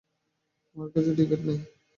আমার কাছে টিকেট নেই।